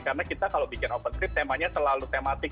karena kita kalau bikin open trip temanya selalu tematik